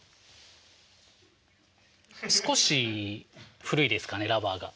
少し古いですかねラバーが。